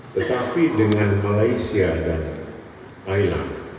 tetapi dengan malaysia dan thailand